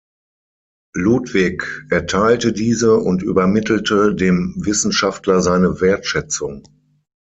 Ludwig erteilte diese und übermittelte dem Wissenschaftler seine Wertschätzung.